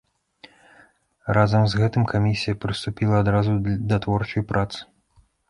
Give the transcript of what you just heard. Разам з гэтым камісія прыступіла адразу да творчай працы.